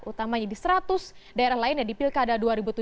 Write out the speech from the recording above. utamanya di seratus daerah lainnya di pilkada dua ribu tujuh belas